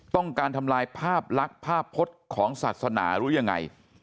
ต้องการทำลายภาพลักษณ์ภาพพจน์ของศาสนาหรือยังไง